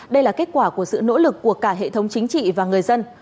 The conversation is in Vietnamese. đây là kết quả của sự nỗ lực của cả hệ thống chính trị và người dân